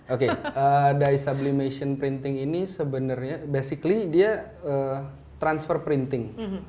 oke die sublimation printing ini sebenarnya basically dia transfer printing